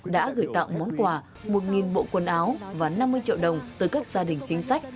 đã gửi tặng món quà một bộ quần áo và năm mươi triệu đồng tới các gia đình chính sách